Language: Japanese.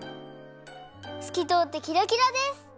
すきとおってキラキラです！